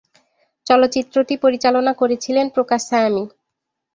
চলচ্চিত্রটি পরিচালনা করেছিলেন প্রকাশ সায়ামি।